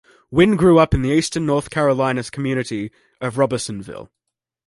Wynn grew up in the Eastern North Carolina community of Robersonville.